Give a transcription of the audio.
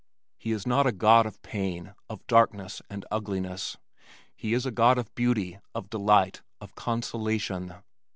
He is not a God of pain, of darkness and ugliness, he is a God of beauty, of delight, of consolation."